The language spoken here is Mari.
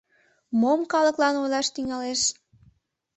Мом калыклан ойлаш тӱҥалеш?